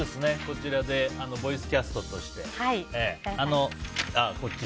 こちらでボイスキャストとして。